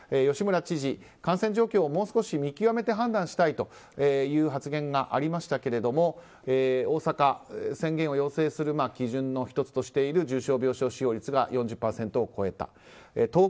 吉村知事、感染状況をもう少し見極めて判断したいという発言がありましたけど大阪、宣言を要請する基準の１つとしている重症病床使用率が４０％を超えた。